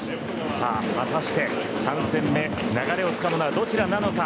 果たして３戦目流れをつかむのはどちらなのか。